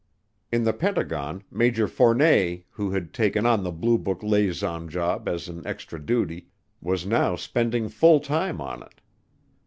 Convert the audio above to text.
In the Pentagon, Major Fournet, who had taken on the Blue Book liaison job as an extra duty, was now spending full time on it.